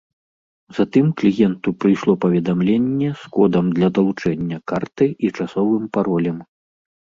Затым кліенту прыйшло паведамленне з кодам для далучэння карты і часовым паролем.